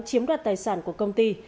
chiếm đoạt tài sản của công ty